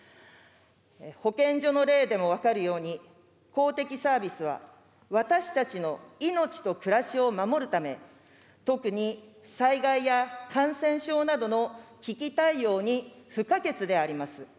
保健所の例でも分かるように、公的サービスは、私たちの命と暮らしを守るため、特に災害や感染症などの危機対応に不可欠であります。